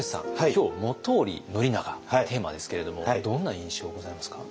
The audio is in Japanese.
今日「本居宣長」テーマですけれどもどんな印象ございますか？